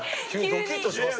ドキっとしますね。